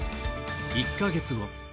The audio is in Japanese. １か月後。